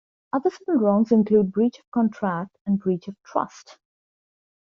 Other civil wrongs include breach of contract and breach of trust.